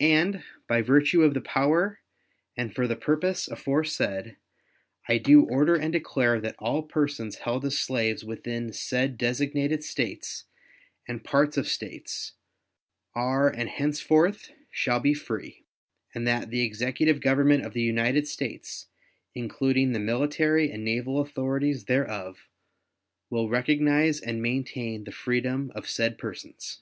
And, by virtue of the power and for the purpose aforesaid, I do order and declare that all persons held as slaves within said designated States and parts of States are and henceforth shall be free; and that the Executive Government of the United States, including the military and naval authorities thereof, will recognize and maintain the freedom of said persons.